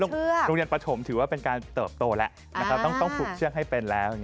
โรงเรียนปฐมถือว่าเป็นการเติบโตแล้วต้องปลูกเชือกให้เป็นแล้ว